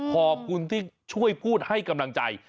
ขอบคุณที่ช่วยพูดให้กำลังใจ